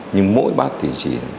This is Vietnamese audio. nhưng mỗi bắt thì chỉ